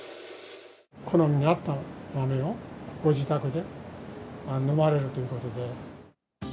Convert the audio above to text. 好みに合った豆をご自宅で飲まれるということで。